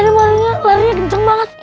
tadi malingnya larinya kenceng banget